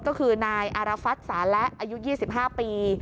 ก็คือนายอารฟัฐศาละอายุ๒๕ปี